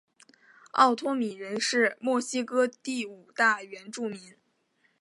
奥托米人是墨西哥第五大原住民。